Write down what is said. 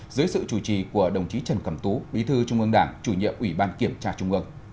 dưới sự chủ trì của đồng chí trần cẩm tú bí thư trung ương đảng chủ nhiệm ủy ban kiểm tra trung ương